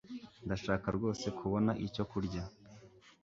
Ndashaka rwose kubona icyo kurya.